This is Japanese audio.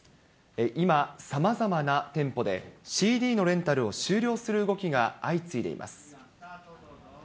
今、さまざまな店舗でＣＤのレンタルを終了する動きが相次いでいます。